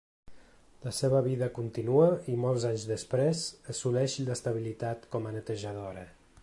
La seva vida continua i molts anys després assoleix l’estabilitat com a netejadora.